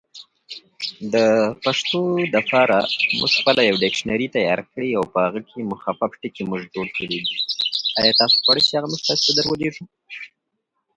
ته بې غمه اوسه د صمد وينه په ځمکه نه لوېږي.